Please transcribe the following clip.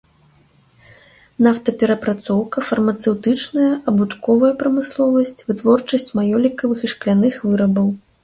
Нафтаперапрацоўка, фармацэўтычная, абутковая прамысловасць, вытворчасць маёлікавых і шкляных вырабаў.